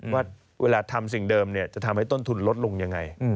ว่าเวลาทำสิ่งเดิมจะทำให้ต้นทุนลดลงยังไง